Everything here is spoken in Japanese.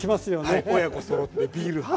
はい親子そろってビール派。